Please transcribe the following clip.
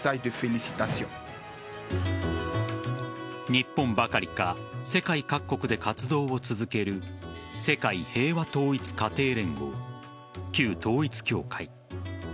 日本ばかりか世界各国で活動を続ける世界平和統一家庭連合旧統一教会。